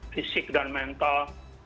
fisik dan mental